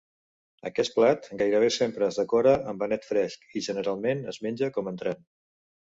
Aquest plat gairebé sempre es decora amb anet fresc i, generalment es menja com entrant.